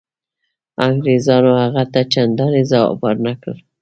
انګرېزانو هغه ته چنداني ځواب ورنه کړ.